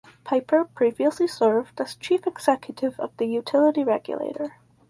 Pyper previously served as Chief Executive of the Utility Regulator.